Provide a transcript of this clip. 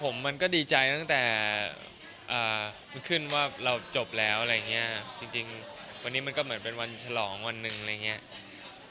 ผมมันก็ดีใจตั้งแต่ขึ้นว่าเราจบแล้วอะไรอย่างเงี้ยจริงวันนี้มันก็เหมือนเป็นวันฉลองวันหนึ่งอะไรอย่างนี้